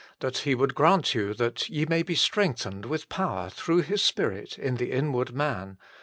That He would grant you that ye may be strength ened with power through His Spirit in the inward man; 2.